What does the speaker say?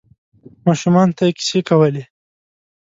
ماشومانو ته یې کیسې کولې.